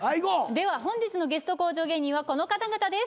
では本日のゲスト向上芸人はこの方々です